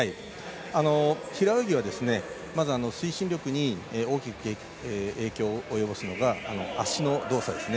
平泳ぎはまず推進力に大きく影響を及ぼすのが足の動作ですね。